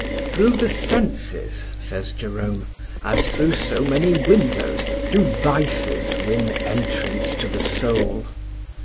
"Through the senses," says Jerome, "as through so many windows, do vices win entrance to the soul.